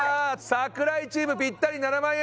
櫻井チームぴったり７万円